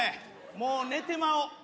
もう寝てまおう。